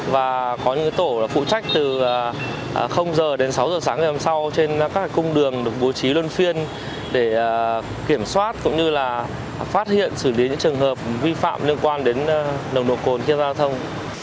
và có những tổ phụ trách từ h đến sáu h sáng ngày hôm sau trên các cung đường được bố trí luân phiên để kiểm soát cũng như là phát hiện xử lý những trường hợp vi phạm liên quan đến nồng độ cồn khi giao thông